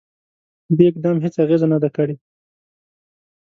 دې اقدام هیڅ اغېزه نه ده کړې.